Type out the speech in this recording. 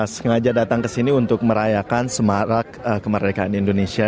sengaja datang kesini untuk merayakan semarak kemerdekaan indonesia